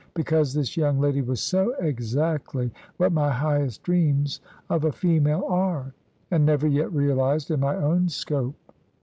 Because this young lady was so exactly what my highest dreams of a female are, and never yet realised in my own scope.